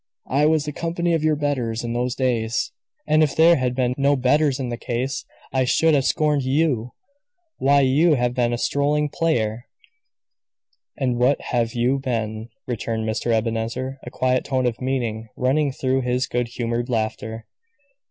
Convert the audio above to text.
"I was the company of your betters in those days: and if there had been no betters in the case, I should have scorned you. Why! you have been a strolling player!" "And what have you been?" returned Mr. Ebenezer, a quiet tone of meaning running through his good humored laughter.